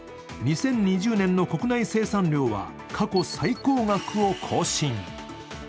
２０２０年の国内生産量は過去最高額を更新。